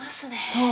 そう。